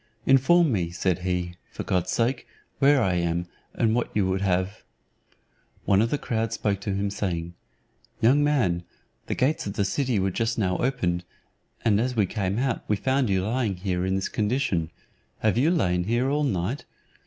"Inform me," said he, "for God's sake, where I am, and what you would have?" One of the crowd spoke to him saying, "Young man, the gates of the city were just now opened, and as we came out we found you lying here in this condition: have you lain here all night?